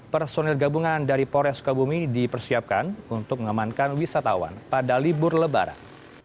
seribu dua ratus delapan personil gabungan dari pores sukabumi dipersiapkan untuk mengemankan wisatawan pada libur lebaran